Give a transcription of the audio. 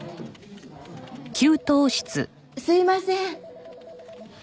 すいません！